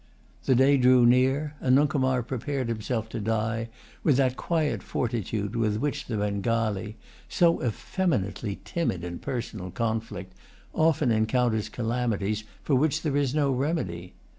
The day drew near; and Nuncomar prepared himself to die with that quiet fortitude with which the Bengalee, so effeminately timid in personal conflict, often encounters calamities for which there is no remedy.